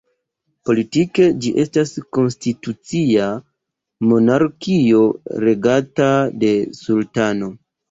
Politike ĝi estas konstitucia monarkio regata de sultano.